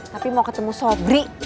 tapi mau ketemu sobri